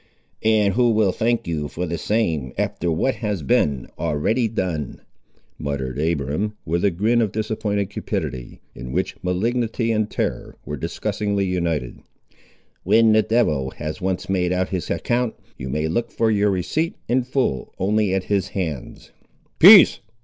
"And who will thank you for the same, after what has been already done?" muttered Abiram, with a grin of disappointed cupidity, in which malignity and terror were disgustingly united; "when the devil has once made out his account, you may look for your receipt in full only at his hands." "Peace!"